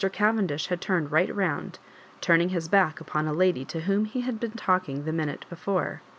Cavendish had turned right round, turning his back upon a lady to whom he had been talking the minute before.